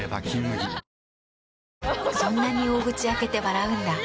そんなに大口開けて笑うんだ。